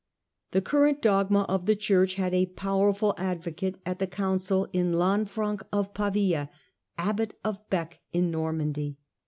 The current dogma of the Church had a powerful advocate at the council in Lanfiranc of Pavia, abbot of Bee in Normandy.